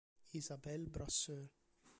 Isabelle Brasseur